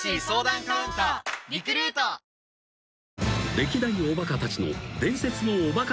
［歴代おバカたちの］